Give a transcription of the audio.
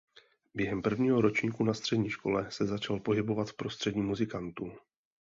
Během prvního ročníku na střední škole se začal pohybovat v prostředí muzikantů.